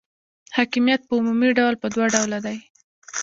حاکمیت په عمومي ډول په دوه ډوله دی.